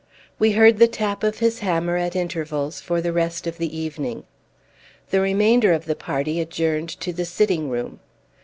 We heard the tap of his hammer at intervals for the rest of the evening. The remainder of the party adjourned to the sitting room.